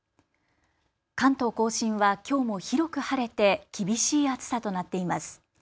関東甲信はきょうも広く晴れて厳しい暑さとなっています。